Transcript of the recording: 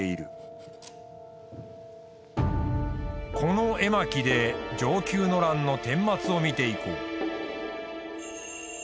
この絵巻で承久の乱の顛末を見ていこう。